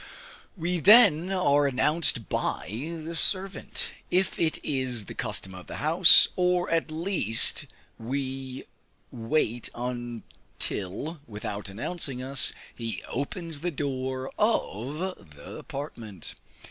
We then are announced by the servant, if it is the custom of the house, or at least we wait until (without announcing us,) he opens the door of the apartment.